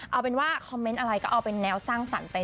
เอาเป็นว่าคอมเมนต์อะไรก็เอาเป็นแนวสร้างสรรค์ไป